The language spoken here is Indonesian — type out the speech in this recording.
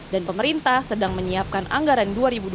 dan pemerintah sedang menyiapkan anggaran dua ribu dua puluh empat